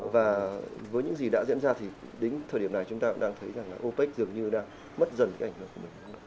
và với những gì đã diễn ra thì đến thời điểm này chúng ta cũng đang thấy rằng là opec dường như đang mất dần cái ảnh hưởng của mình